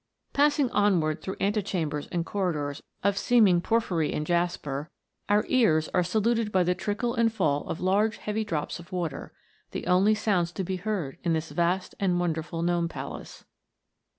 Passing onward through antechambers and cor ridors of seeming porphyry and jasper, our ears are saluted by the trickle and fall of large heavy drops of water, the only sounds to be heard in this vast and wonderful Gnome Palace.